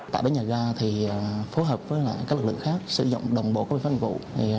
tại bến nhà ra thì phối hợp với các lực lượng khác sử dụng đồng bộ có biên pháp hành vụ